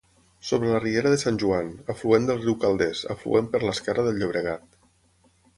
Sobre la riera de Sant Joan, afluent del riu Calders, afluent per l'esquerra del Llobregat.